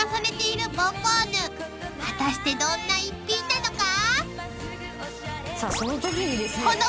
［果たしてどんな逸品なのか？］